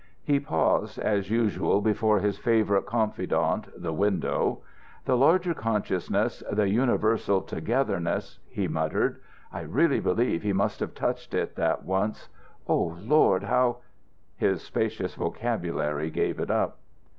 He paused, as usual, before his favourite confidant, the window. "The larger consciousness, the Universal Togetherness," he muttered. "I really believe he must have touched it that once. O Lord! how " His spacious vocabulary gave it up.